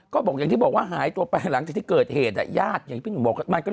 ก็บอกอย่างที่บอกว่าหายตัวไปหลังจากที่เกิดเหตุญาติอย่างที่พี่หนุ่มบอก